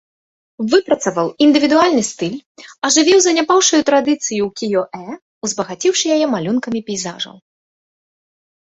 Выпрацаваў індывідуальны стыль, ажывіў заняпаўшую традыцыю ўкіё-э, узбагаціўшы яе малюнкамі пейзажаў.